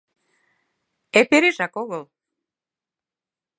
— Эпережак огыл.